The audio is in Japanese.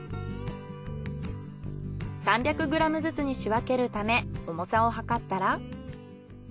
３００ｇずつに仕分けるため重さを計ったら。